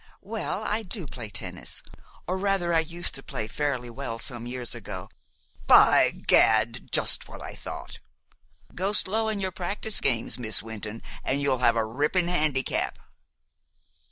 Well, I do play tennis, or rather, I used to play fairly well some years ago " "By gad! just what I thought. Go slow in your practice games, Miss Wynton, an' you'll have a rippin' handicap."